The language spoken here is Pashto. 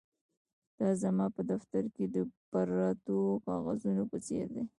دا زما په دفتر کې د پرتو کاغذونو په څیر دي